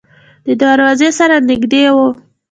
د دروازې سره نږدې و.